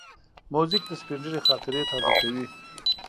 موزیک د سپینږیري خاطرې تازه کوي.